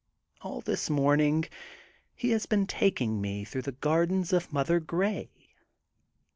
All this morning he has been taking me through the gardens of Mother Grey.